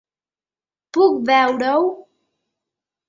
Puc veure-ho?